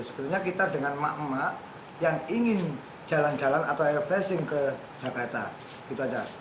sebetulnya kita dengan emak emak yang ingin jalan jalan atau airfacing ke jakarta